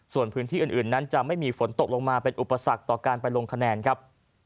ส่วนพื้นที่อื่นนั้นจะไม่มีฝนตกลงมาเป็นอุปสรรคต่อการไปลงคะแนนครับ